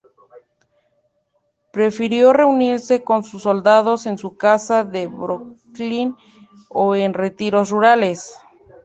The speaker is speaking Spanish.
Prefirió reunirse con sus soldados en su casa de Brooklyn o en retiros rurales.